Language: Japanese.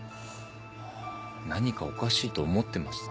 何かおかしいと思ってました。